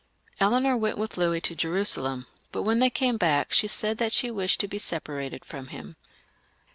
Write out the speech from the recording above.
Eleanor went with Louis to Jerusalem, but when they came back she said that she wished to be separated from him.